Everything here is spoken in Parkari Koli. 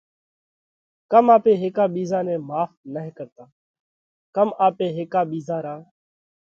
ڪم آپي هيڪا ٻِيزا نئہ ماڦ نه ڪرتا؟ ڪم آپي هيڪا ٻِيزا را